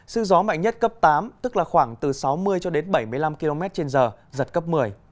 sư gió mạnh nhất cấp tám tức là khoảng từ sáu mươi cho đến bảy mươi năm km trên giờ giật cấp một mươi